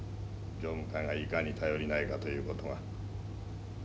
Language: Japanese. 常務会がいかに頼りないかということが。